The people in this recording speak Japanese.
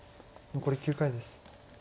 残り９回です。